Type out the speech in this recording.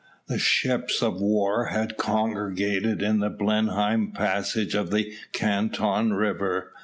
The ships of war had congregated in the Blenheim passage of the Canton river.